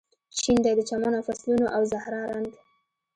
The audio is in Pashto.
شین دی د چمن او فصلونو او زهرا رنګ